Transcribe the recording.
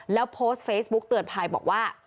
แล้วโพสต์เฟซบุ๊กเตือนภัยบอกว่า